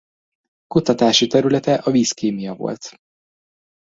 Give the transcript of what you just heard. Kutatási területe a vízkémia volt.